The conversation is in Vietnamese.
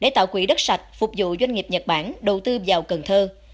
để tạo quỹ đất sạch phục vụ doanh nghiệp nhật bản đầu tư vào cần thơ